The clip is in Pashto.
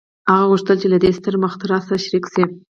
هغه غوښتل له دې ستر مخترع سره شريک شي.